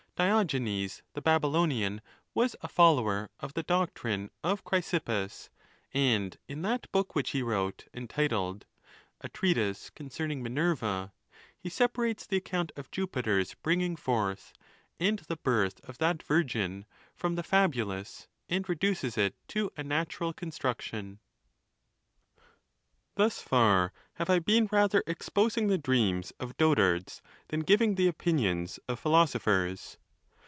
Diogenes the Bab ylonian was a follower of the doctrine of Chrysippus; and in that book which he wrote, entitled "A Treatise concern ing Minerva," he separates the account of Jupiter's bring ing forth, and the birth of that virgin, from the fabulous, and reduces it to a natural construction. THE NATURE OF THE GODS. »25 XVI. Thus far have I been rather exposing the dreams of dotards than giving t"he opinions of philosophers.